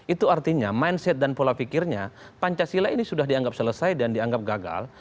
itu artinya mindset dan pola pikirnya pancasila ini sudah dianggap selesai dan dianggap gagal